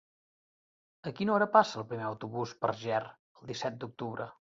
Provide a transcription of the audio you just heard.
A quina hora passa el primer autobús per Ger el disset d'octubre?